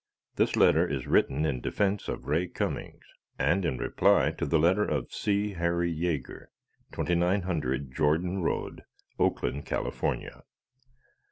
This letter is written in defence of Ray Cummings and in reply to the letter of C. Harry Jaeger, 2900 Jordan Road, Oakland, California.